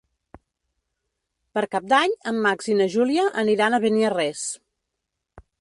Per Cap d'Any en Max i na Júlia aniran a Beniarrés.